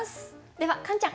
ではカンちゃん。